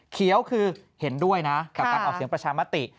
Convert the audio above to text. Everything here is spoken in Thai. เขียวคือเห็นด้วยนะกับการออกเสียงประชามติ